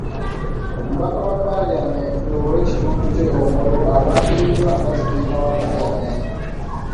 Omubaka wa Paalamenti ow’ekitundu kya Omoro alangiriddwa nga Sipiika wa Paalamenti.